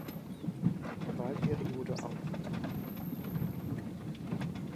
Wahlperiode auf.